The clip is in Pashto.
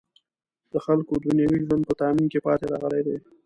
د خلکو دنیوي ژوند په تأمین کې پاتې راغلی دی.